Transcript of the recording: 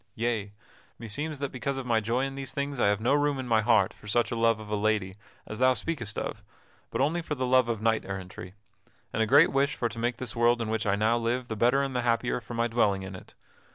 Yea; meseems that because of my joy in these things I have no room in my heart for such a love of lady as thou speakest of, but only for the love of knight errantry, and a great wish for to make this world in which I now live the better and the happier for my dwelling in it.